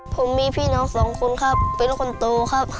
ผมมีพี่น้องสองคนครับเป็นคนโตครับ